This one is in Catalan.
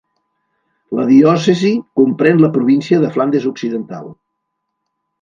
La diòcesi comprèn la província de Flandes Occidental.